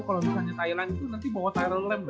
kalau misalnya thailand tuh nanti bawa thailand lem lu